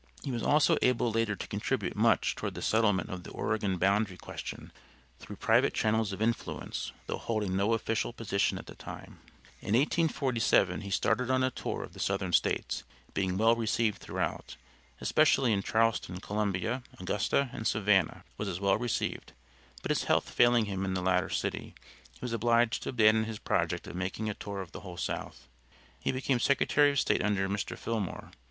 He was also able later to contribute much toward the settlement of the Oregon boundary question through private channels of influence, though holding no official position at the time. In 1847 he started on a tour of the Southern States, being well received throughout; especially in Charleston, Columbia, Augusta and Savannah was as well received, but his health failing him in the latter city, he was obliged to abandon his project of making a tour of the whole South. He became Secretary of State under Mr. Fillmore.